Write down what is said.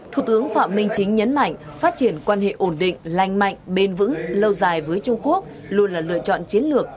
thủ tướng phạm minh chính nhấn mạnh phát triển quan hệ ổn định lành mạnh bền vững lâu dài với trung quốc luôn là lựa chọn chiến lược